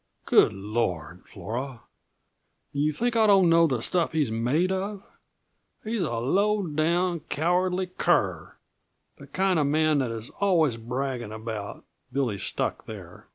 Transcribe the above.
Good Lord! Flora, do yuh think I don't know the stuff he's made of? He's a low down, cowardly cur the kind uh man that is always bragging about " (Billy stuck there.